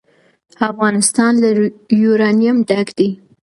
افغانستان له یورانیم ډک دی.